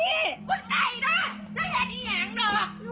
หนูเจอ